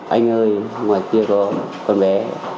anh ơi ngoài kia có con bé